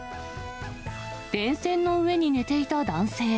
電線の上に寝ていた男性。